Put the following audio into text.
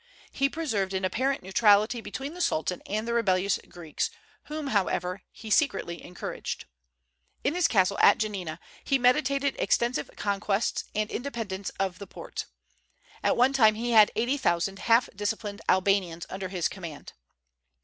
He preserved an apparent neutrality between the Sultan and the rebellious Greeks, whom, however, he secretly encouraged. In his castle at Jannina he meditated extensive conquests and independence of the Porte. At one time he had eighty thousand half disciplined Albanians under his command.